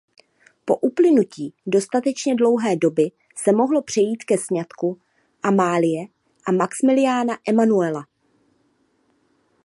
Po uplynutí dostatečně dlouhé doby se mohlo přejít ke sňatku Amálie a Maxmiliána Emanuela.